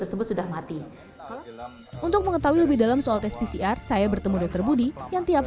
tersebut sudah mati untuk mengetahui lebih dalam soal tes pcr saya bertemu dokter budi yang tiap